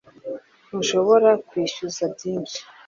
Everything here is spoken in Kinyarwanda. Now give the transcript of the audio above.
ntushobora kwishyuza byinshi